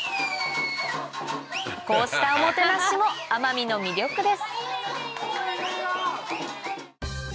こうしたおもてなしも奄美の魅力です